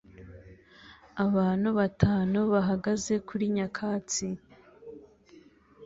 Abantu batanu bahagaze kuri nyakatsi